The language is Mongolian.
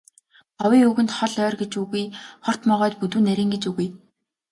Ховын үгэнд хол ойр гэж үгүй, хорт могойд бүдүүн нарийн гэж үгүй.